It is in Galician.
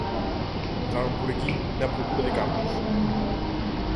Entraron por aquí na procura de cartos.